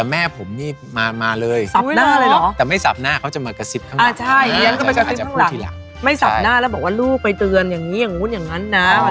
ไม่หุ้ยตั๊บหน้าแล้วก็บอกว่าลูกไปเตือนอย่างงี้อย่างงู้นอย่างั้นน่ะ